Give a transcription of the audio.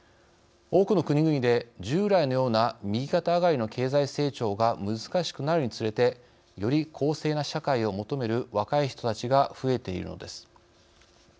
多くの国々で従来のような右肩上がりの経済成長が難しくなるにつれてより公正な社会を求める若い人たちが増えているのです。